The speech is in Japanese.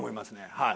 はい。